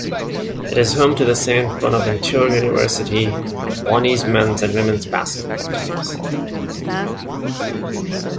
It is home to the Saint Bonaventure University Bonnies men's and women's basketball teams.